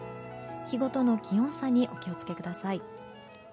日ごとの気温差にお気を付けください。